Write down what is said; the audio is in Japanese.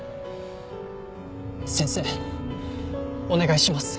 先生お願いします